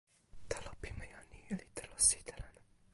telo pimeja ni li telo sitelen.